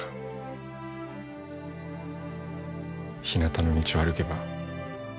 ひなたの道を歩けば。